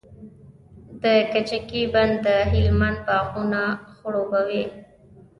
د کجکي بند د هلمند باغونه خړوبوي.